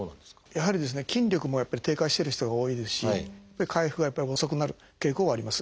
やはり筋力もやっぱり低下してる人が多いですし回復がやっぱり遅くなる傾向はあります。